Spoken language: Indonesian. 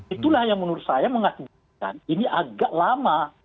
itulah yang menurut saya mengakibatkan ini agak lama